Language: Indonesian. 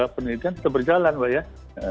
penelitian tetap berjalan pak